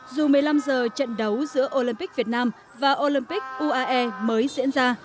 dù một mươi năm giờ trận đấu giữa olympic việt nam và olympic uae mới diễn ra